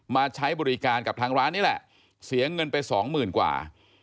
มาใช้บริการกับทางร้านนี่แหละเสียเงินไปสองหมื่นกว่า